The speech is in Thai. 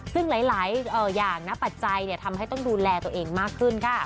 ซึ่งหลายอย่างนะปัจจัยทำให้ต้องดูแลตัวเองมากขึ้นค่ะ